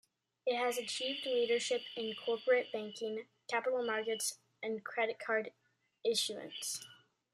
It has achieved leadership in Corporate Banking, Capital Markets and Credit Card issuance.